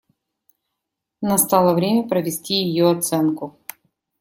Настало время провести ее оценку.